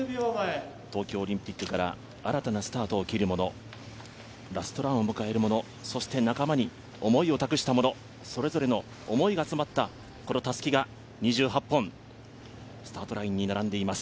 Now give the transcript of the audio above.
東京オリンピックから新たなスタートを切る者、ラストランを迎える者、そして仲間に思いを託した者、それぞれの思いが詰まったこのたすきが２８本、スタートラインに並んでいます。